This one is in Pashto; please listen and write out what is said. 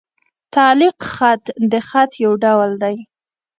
تعلیق خط؛ د خط یو ډول دﺉ.